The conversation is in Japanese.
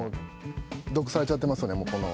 毒されちゃってますよね、もうこの。